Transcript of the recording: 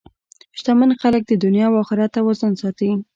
شتمن خلک د دنیا او اخرت توازن ساتي.